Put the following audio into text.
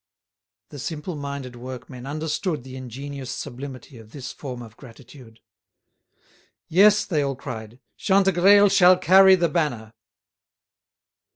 The simple minded workmen understood the ingenuous sublimity of this form of gratitude. "Yes," they all cried, "Chantegreil shall carry the banner."